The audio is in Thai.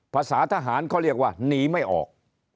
ภาษาทหารเขาเรียกว่าหนีไม่ออก